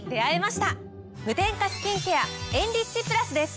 無添加スキンケアエンリッチプラスです。